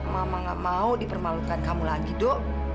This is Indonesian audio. mama nggak mau dipermalukan kamu lagi do